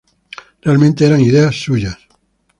Realmente eran ideas suyas".